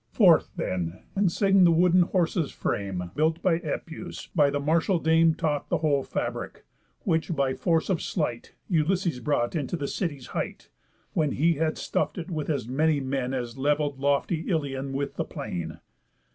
Forth then, and sing the wooden horse's frame, Built by Epëus, by the martial Dame Taught the whole fabric; which, by force of sleight, Ulysses brought into the city's height, When he had stuff'd it with as many men As levell'd lofty Ilion with the plain.